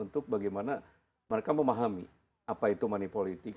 untuk mereka untuk bagaimana mereka memahami apa itu manipolitik